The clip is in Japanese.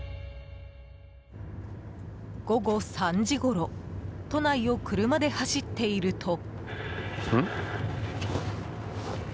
午後３時ごろ都内を車で走っていると。